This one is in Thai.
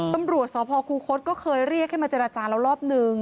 ปำรวจสคคุก็เคยเรียกให้มาเจรจรรจะรอบหนึ่ง